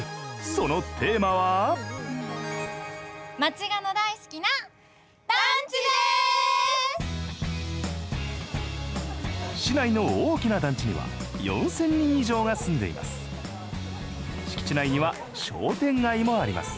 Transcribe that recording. そのテーマは市内の大きな団地には４０００人以上が住んでいます敷地内には商店街もあります